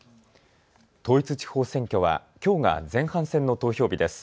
統一地方選挙はきょうが前半戦の投票日です。